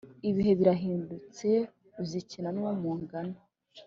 Ibihe birahindutse uzukina nuwo mungana